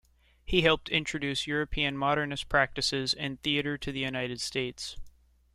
He helped introduce European modernist practices in theatre to the United States.